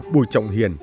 bùi trọng hiền